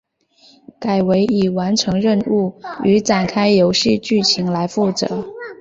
改为以完成任务与展开游戏剧情来负责。